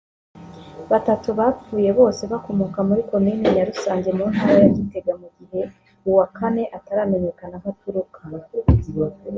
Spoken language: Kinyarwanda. Batatu bapfuye bose bakomoka muri Komine Nyarusange mu Ntara ya Gitega mu gihe uwa Kane ataramenyakana aho aturuka